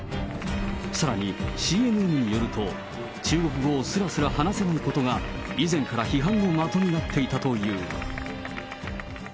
さらにＣＮＮによると、中国語をすらすら話せないことが以前から批判の的になっていたという。